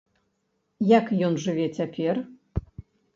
Як ён жыве цяпер?